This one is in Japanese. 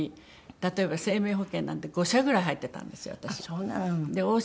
例えば生命保険なんて５社ぐらい入ってたんですよ